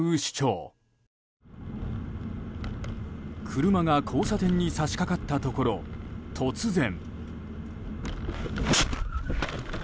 車が交差点に差し掛かったところ、突然。